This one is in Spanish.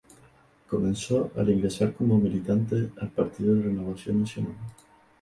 Comenzó al ingresar como militante al partido Renovación Nacional.